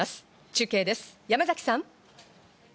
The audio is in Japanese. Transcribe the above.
中継です、山崎さん。